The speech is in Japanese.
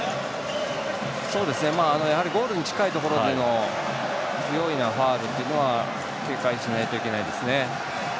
やはりゴールの近いところでの不用意なファウルというのは警戒しないといけないですね。